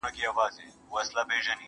قاسم یار له زر پرستو بېل په دې سو،